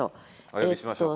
お呼びしましょうか。